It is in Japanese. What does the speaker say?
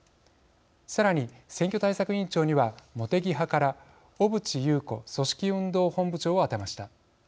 さらに、選挙対策委員長には茂木派から小渕優子組織運動本部長を充てました。